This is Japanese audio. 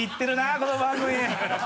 この番組。